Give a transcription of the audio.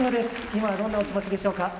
今どんな気持ちでしょうか。